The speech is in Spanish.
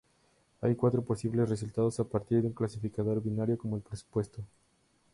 Hay cuatro posibles resultados a partir de un clasificador binario como el propuesto.